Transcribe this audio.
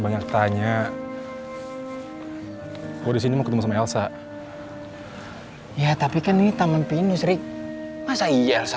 banyak tanya oh disini mau ketemu sama elsa ya tapi kan ini taman pinus ri masa iya